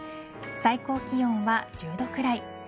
最高気温は１０度くらい。